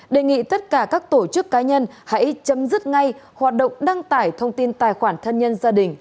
đề nghị tất cả các tổ chức cá nhân hãy chấm dứt ngay hoạt động đăng tải thông tin tài khoản thân nhân gia đình